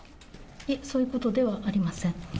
いえ、そういうことではありません。